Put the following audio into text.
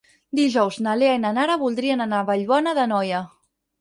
Dijous na Lea i na Nara voldrien anar a Vallbona d'Anoia.